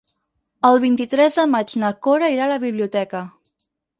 El vint-i-tres de maig na Cora irà a la biblioteca.